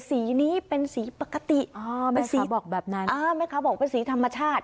สีนี้เป็นสีปกติอ๋อแม่สีบอกแบบนั้นอ่าแม่ค้าบอกเป็นสีธรรมชาติ